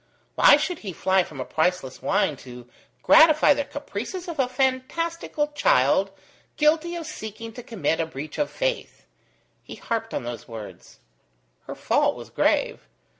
Why should he fly from a priceless wine to gratify the caprices of a fantastical child guilty of seeking to commit a breach of faith? He harped on those words. Her fault was grave.